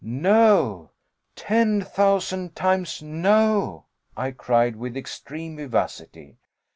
"No ten thousand times no," I cried, with extreme vivacity.